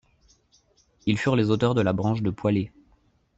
Ils furent les auteurs de la branche de Poillé.